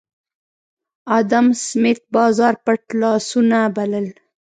ادم سمېت بازار پټ لاسونه بلل